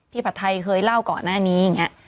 ผัดไทยเคยเล่าก่อนหน้านี้อย่างนี้